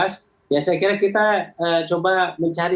saya kira kita coba mencari